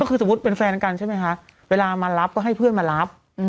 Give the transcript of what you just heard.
ก็คือสมมุติเป็นแฟนกันใช่ไหมคะเวลามารับก็ให้เพื่อนมารับ